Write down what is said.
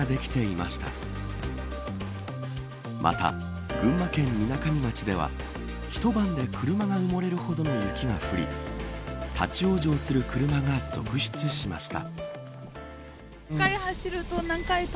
また、群馬県みなかみ町では一晩で車が埋もれるほどの雪が降り立ち往生する車が続出しました。